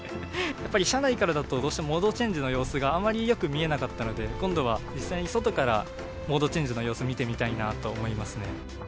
やっぱり車内からだと、モードチェンジの様子があまりよく見えなかったので、今度は実際に外からモードチェンジの様子を見てみたいなと思いますね。